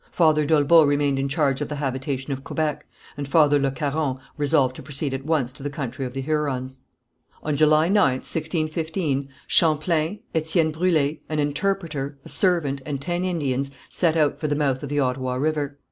Father d'Olbeau remained in charge of the habitation of Quebec, and Father Le Caron resolved to proceed at once to the country of the Hurons. On July 9th, 1615, Champlain, Étienne Brûle, an interpreter, a servant, and ten Indians, set out for the mouth of the Ottawa River.